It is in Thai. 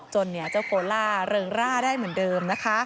เจ้าโคล่าเริงร่าได้เหมือนเดิมนะคะ